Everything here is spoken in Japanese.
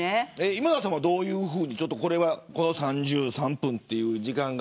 今田さんは、どういうふうにこの３３分という時間は。